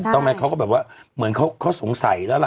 ไหมเขาก็แบบว่าเหมือนเขาสงสัยแล้วล่ะ